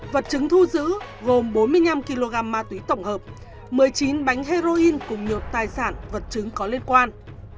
vật chứng thu giữ gồm bốn mươi năm kg ma túy tổng hợp một mươi chín bánh heroin cùng nhiều tài sản vật chứng có liên quan